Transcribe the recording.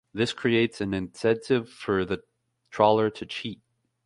This creates an incentive for the trawler to cheat.